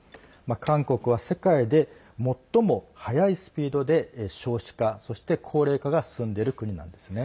韓国は世界で最も速いスピードで少子化、そして高齢化が進んでいる国なんですね。